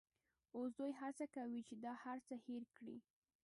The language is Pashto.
اوس دوی هڅه کوي چې دا هرڅه هېر کړي.